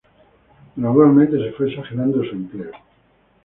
Gradualmente se fue exagerando su empleo.